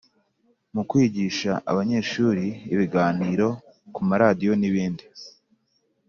mu kwigisha abanyeshuri ibiganiro ku maradiyo n ibindi